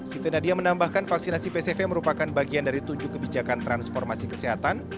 siti nadia menambahkan vaksinasi pcv merupakan bagian dari tujuh kebijakan transformasi kesehatan